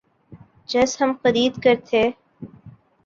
چس ہم خرید کر تھے